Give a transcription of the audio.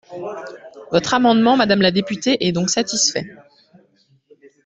Votre amendement, madame la députée, est donc satisfait.